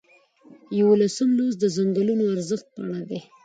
یوولسم لوست د څنګلونو ارزښت په اړه دی.